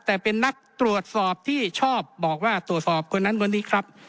แต่เป็นนักตรวจสอบที่ชอบบอกว่าตรวจสอบคนนั้นคนนี้ครับ